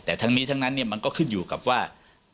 แต่ทั้งนี้ทั้งนั้นมันก็ขึ้นอยู่กับว่า